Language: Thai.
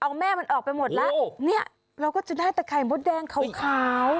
เอาแม่มันออกไปหมดแล้วเนี่ยเราก็จะได้แต่ไข่มดแดงขาว